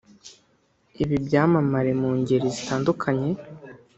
Ibi byamamare mu ngeri zitandukanye